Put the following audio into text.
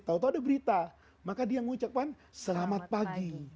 tau tau ada berita maka dia mengucapkan selamat pagi